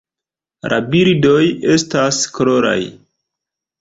La bildoj estas koloraj.